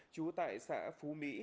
chú tại xã phú mỹ